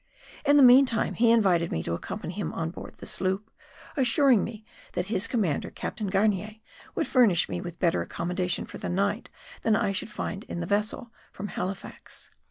In the meantime he invited me to accompany him on board the sloop, assuring me that his commander, Captain Garnier, would furnish me with better accommodation for the night than I should find in the vessel from Halifax.